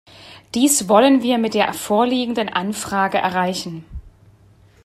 Dies wollen wir mit der vorliegenden Anfrage erreichen.